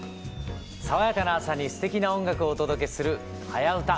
爽やかな朝にすてきな音楽をお届けする「はやウタ」。